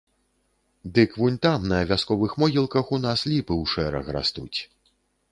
Дык вунь там на вясковых могілках у нас ліпы ў шэраг растуць.